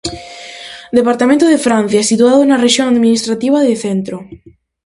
Departamento de Francia, situado na rexión administrativa de Centro.